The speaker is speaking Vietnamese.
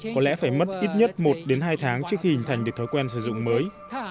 có lẽ phải mất ít nhất một đến hai tháng trước khi hình thành được thói quen sử dụng mới